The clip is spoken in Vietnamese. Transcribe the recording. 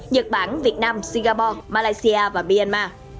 nhật bản việt nam singapore malaysia và myanmar